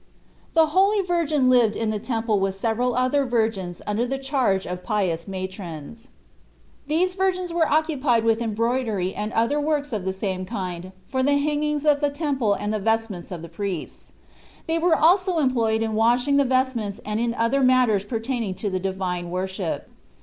THE HOLY VIRGIN lived in the Temple with several other virgins under the charge of pious matrons. These virgins were occupied with em broidery and other works of the same kind for the hangings of the Temple and the vestments of the priests : they were also employed in washing the vest ments and in other matters pertaining to the divine worship.